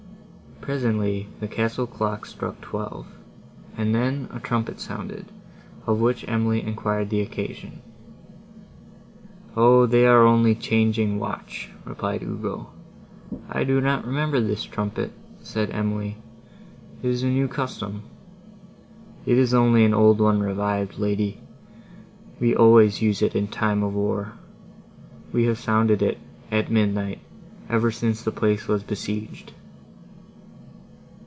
Presently, the castle clock struck twelve, and then a trumpet sounded, of which Emily enquired the occasion. "O! they are only changing watch," replied Ugo. "I do not remember this trumpet," said Emily, "it is a new custom." "It is only an old one revived, lady; we always use it in time of war. We have sounded it, at midnight, ever since the place was besieged."